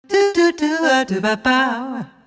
ดูดูดูดูป่าป่าว